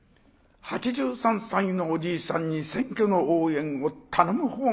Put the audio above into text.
８３歳のおじいさんに選挙の応援を頼むほうも。